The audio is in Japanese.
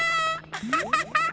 アハハハ！